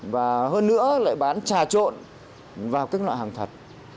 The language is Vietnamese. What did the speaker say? và hơn nữa lại bán trà trộn vào các loại hàng thật